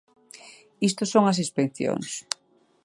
Isto son as inspeccións.